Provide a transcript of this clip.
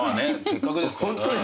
せっかくですから。